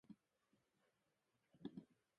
ｆｊｖｋｆ りう ｇｖｔｇ ヴ ｔｒ ヴぃ ｌ